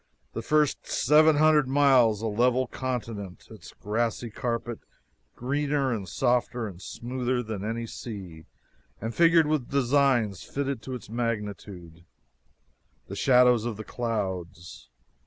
The first seven hundred miles a level continent, its grassy carpet greener and softer and smoother than any sea and figured with designs fitted to its magnitude the shadows of the clouds.